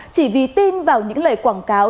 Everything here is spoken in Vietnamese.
chỉ vì tin vào những lời quảng cáo